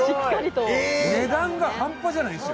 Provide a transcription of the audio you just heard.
値段が半端じゃないんですよ。